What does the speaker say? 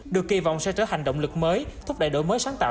được kỳ vọng sẽ trở thành động lực mới thúc đẩy đổi mới sáng tạo